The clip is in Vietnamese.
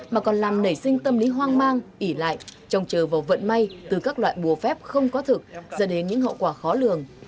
mà còn làm nảy sinh tâm lý hoang mang ỉ lại trông chờ vào vận may từ các loại bùa phép không có thực ra đến những hậu quả khó lường